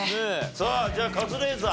さあじゃあカズレーザー。